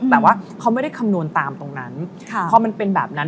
แต่ว่าเขาไม่ได้คำนวณตามตรงนั้น